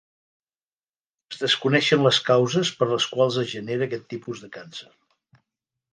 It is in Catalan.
Es desconeixen les causes per les quals es genera aquest tipus de càncer.